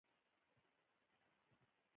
وینه پاکه ساتل د روغتیا نښه ده.